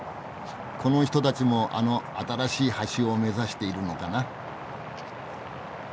この人たちもあの新しい橋を目指しているのかな。